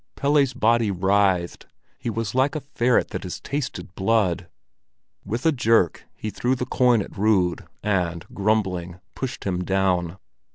Pelle's body writhed; he was like a ferret that has tasted blood. With a jerk he threw the coin at Rud, and grumbling, pushed him down.